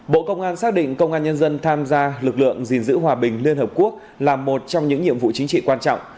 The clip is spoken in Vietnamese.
bộ công an xác định công an nhân dân tham gia lực lượng gìn giữ hòa bình liên hợp quốc là một trong những nhiệm vụ chính trị quan trọng